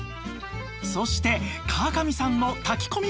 そして川上さんの炊き込みご飯も